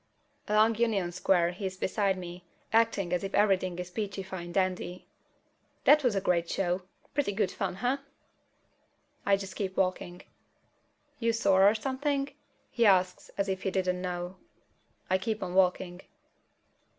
Along Union Square he's beside me, acting as if everything is peachy fine dandy. "That was a great show. Pretty good fun, huh?" I just keep walking. "You sore or something?" he asks, as if he didn't know. I keep on walking.